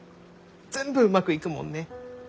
全部うまくいくもんね。